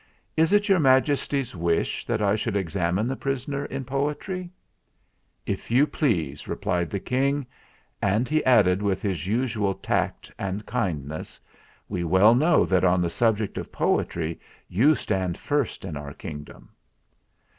"Is it Your Majesty's wish that I should examine the prisoner in poetry ?" "If you please," replied the King; and he added, with his usual tact and kindness : "We well know that on the subject of poetry you stand first in our kingdom."